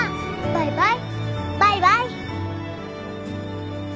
バイバイ。